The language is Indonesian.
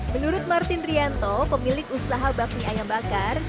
menurut martin rianto pemilik usaha bakmi ayam bakar